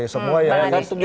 semua yang di